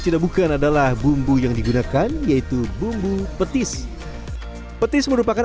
tidak bukan adalah bumbu yang digunakan yaitu bumbu petis petis merupakan